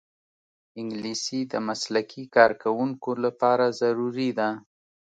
انګلیسي د مسلکي کارکوونکو لپاره ضروري ده